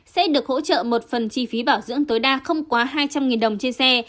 sẽ được hỗ trợ một phần chi phí bảo dưỡng tối đa không quá hai trăm linh đồng trên xe